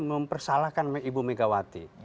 mempersalahkan ibu megawati